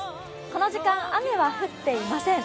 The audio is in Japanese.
この時間、雨は降っていません。